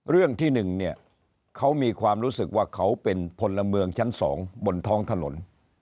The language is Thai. เรื่องที่๑เนี่ยเขามีความรู้สึกว่าเขาเป็นพลเมืองชั้น๒บนท้องถนน